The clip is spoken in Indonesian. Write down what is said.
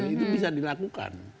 itu bisa dilakukan